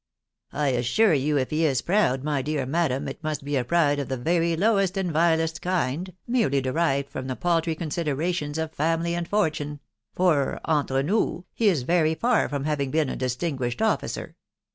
" I assure you, if he is proud, my dear madam, it must be a pride of the very lowest and vilest kind, merely derived from the paltry considerations of family and fortune; for, entre nous, he is very far from having been a distinguished officer.